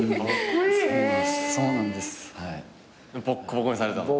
ボッコボコにされたの？